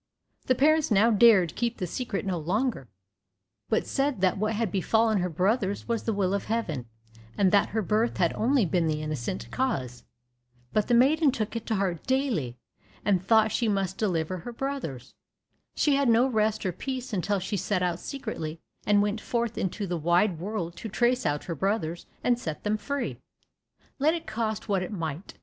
The parents now dared keep the secret no longer, but said that what had befallen her brothers was the will of Heaven, and that her birth had only been the innocent cause. But the maiden took it to heart daily, and thought she must deliver her brothers. She had no rest or peace until she set out secretly, and went forth into the wide world to trace out her brothers and set them free, let it cost what it might.